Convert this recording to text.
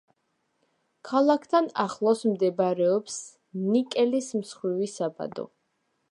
ქალაქთან ახლოს მდებარეობს ნიკელის მსხვილი საბადო.